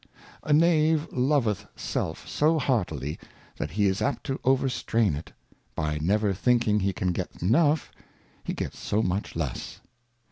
A Knave loveth Self so heartily, that he is apt to over strain it : by never thinking he can get enough, he gets so much less.